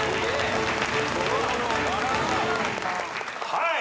はい！